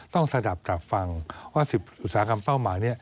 สนับกลับฟังว่า๑๐อุตสาหกรรมเป้าหมายนี้